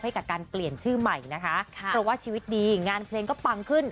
ให้กับการเปลี่ยนชื่อใหม่นะคะเพราะว่าชีวิตดีงานเพลงก็ปังขึ้น